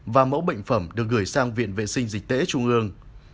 và mẫu bệnh phẩm được gửi sang viện vệ sinh dịch tễ trung ương